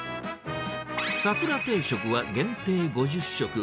さくら定食は限定５０食。